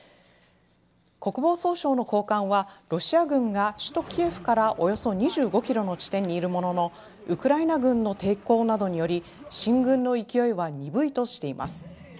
国防総省の高官はロシア軍が首都キエフからおよそ２５キロの地点にいるもののウクライナ軍の抵抗などにより進軍の勢いは鈍いとしています。